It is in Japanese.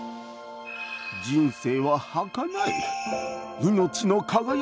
人生ははかない。